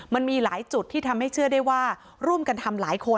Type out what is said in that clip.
มันมีหลายจุดที่ทำให้เชื่อได้ว่าร่วมกันทำหลายคน